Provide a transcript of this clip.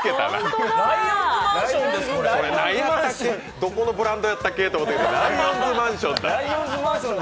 どこのブランドやったっけと思ったらライオンズマンションだ！